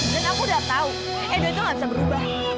dan aku udah tahu edo itu gak bisa berubah